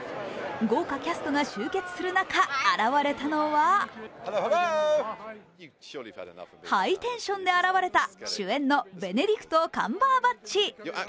豪華キャストが集結する中現れたのはハイテンションで現れた主演のベネディクト・カンバーバッチ。